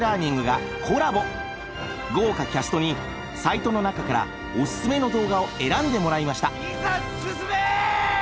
豪華キャストにサイトの中からおすすめの動画を選んでもらいました。